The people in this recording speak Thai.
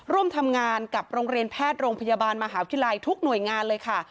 ร่วมทำงานกับโรงเรียนแพทย์โรงพยาบาลมหาวิทยาลัยทุกหน่วยงานเลยค่ะ